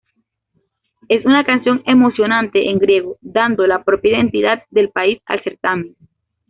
Es una canción emocionante en griego, dando la propia identidad del país al certamen.